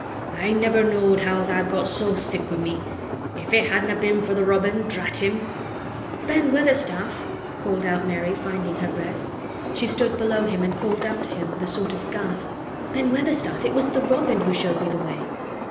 I never knowed how tha' got so thick wi' me. If it hadna' been for th' robin— Drat him—" "Ben Weatherstaff," called out Mary, finding her breath. She stood below him and called up to him with a sort of gasp. "Ben Weatherstaff, it was the robin who showed me the way!"